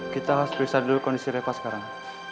kita harus periksa dulu kondisi reva sekarang